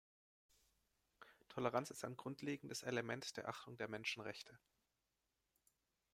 Toleranz ist ein grundlegendes Element der Achtung der Menschenrechte.